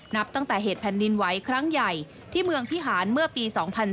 นับตั้งแต่เหตุแผ่นดินไหวครั้งใหญ่ที่เมืองพิหารเมื่อปี๒๔